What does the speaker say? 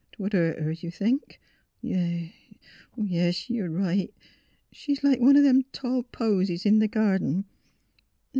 '' 'Twould hurt her — you think? Yes, yes; you're right, she's like one o' them tall posies in the garden.